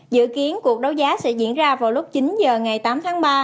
dự kiến cuộc đấu giá sẽ diễn ra vào lúc chín h ngày tám tháng ba